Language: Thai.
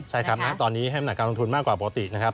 ใช่ครับณตอนนี้ให้น้ำหนักการลงทุนมากกว่าปกตินะครับ